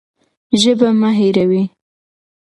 ژبه مه هېروئ.